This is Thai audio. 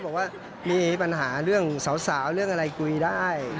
บอกว่ามีปัญหาเรื่องสาวเรื่องอะไรคุยได้